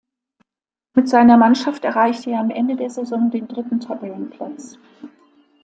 Mit seiner Mannschaft erreichte er am Ende der Saison den dritten Tabellenplatz.